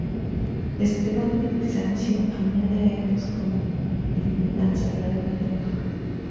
Esteban de Bizancio añade a Hermes como divinidad sagrada de la isla.